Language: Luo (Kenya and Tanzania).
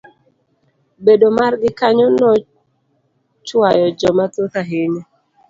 Bedo margi kanyo nochwayo jo mathoth ahinya.